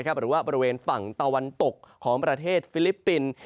หรือว่าบริเวณฝั่งตะวันตกของประเทศฟิลิปปินส์